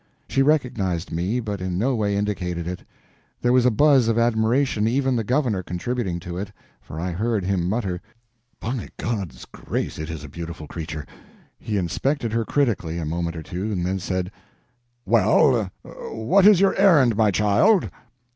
She recognized me, but in no way indicated it. There was a buzz of admiration, even the governor contributing to it, for I heard him mutter, "By God's grace, it is a beautiful creature!" He inspected her critically a moment or two, then said: "Well, what is your errand, my child?"